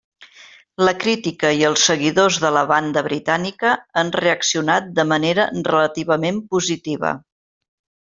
La crítica i els seguidors de la banda britànica han reaccionat de manera relativament positiva.